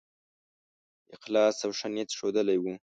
اخلاص او ښه نیت ښودلی وو.